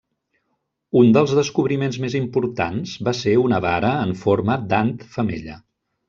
Un els descobriments més importants va ser una vara en forma d'ant femella.